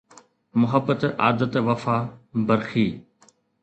محبت عادت وفا برخي